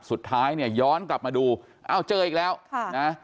สุดท้ายเนี่ยย้อนกลับมาดูอ้าวเจออีกแล้วค่ะนะ